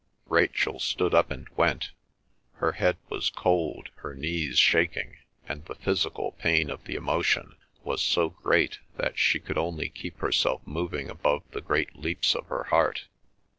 Rachel stood up and went. Her head was cold, her knees shaking, and the physical pain of the emotion was so great that she could only keep herself moving above the great leaps of her heart.